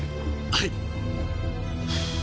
はい！